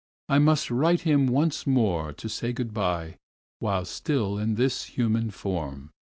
I must write him once more to say good by while still in this human form."